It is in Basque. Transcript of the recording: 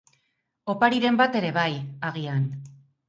Opariren bat ere bai, agian.